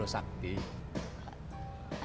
emang sakti kenapa udhassam